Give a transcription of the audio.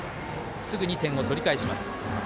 すぐに点を取り返します。